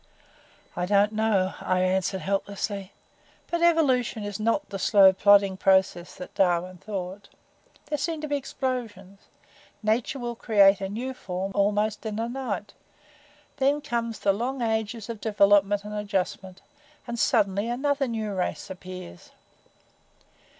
"I don't know," I answered, helplessly. "But evolution is not the slow, plodding process that Darwin thought. There seem to be explosions nature will create a new form almost in a night. Then comes the long ages of development and adjustment, and suddenly another new race appears.